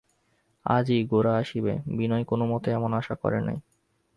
আজই গোরা আসিবে বিনয় কোনোমতেই এমন আশা করে নাই।